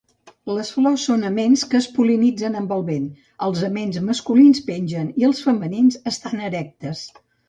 Les flors són aments que es pol·linitzen amb el vent, els aments masculins pengen i els femenins estan erectes.